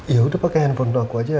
ya udah pake handphone untuk aku aja